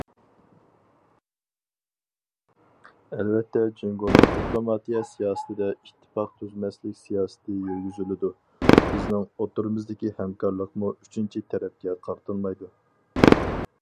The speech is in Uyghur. ئەلۋەتتە جۇڭگونىڭ دىپلوماتىيە سىياسىتىدە ئىتتىپاق تۈزمەسلىك سىياسىتى يۈرگۈزۈلىدۇ، بىزنىڭ ئوتتۇرىمىزدىكى ھەمكارلىقمۇ ئۈچىنچى تەرەپكە قارىتىلمايدۇ.